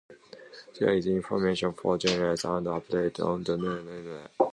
There is information for journalists and updates on the ongoing litigation.